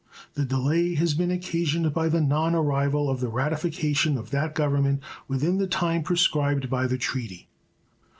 The delay has been occasioned by the non arrival of the ratification of that Government within the time prescribed by the treaty.